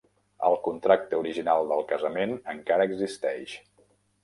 El contracte original del casament encara existeix.